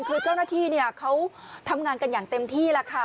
คือเจ้าหน้าที่เขาทำงานกันอย่างเต็มที่แล้วค่ะ